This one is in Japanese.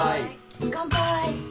乾杯。